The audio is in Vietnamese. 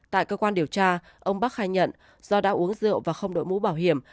tại cơ quan điều tra ông bắc khai nhận do đã uống rượu và không đội mũ bảo hiểm